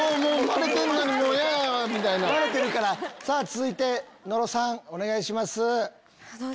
続いて野呂さんお願いします。